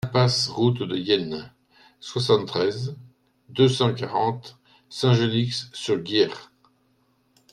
Impasse Route de Yenne, soixante-treize, deux cent quarante Saint-Genix-sur-Guiers